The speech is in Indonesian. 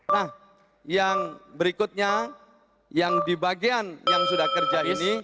nah yang berikutnya yang di bagian yang sudah kerja ini